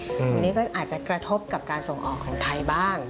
วันนี้ก็อาจจะกระทบกับการส่งออกของไทยบ้าง